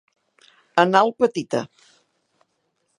Anal petita.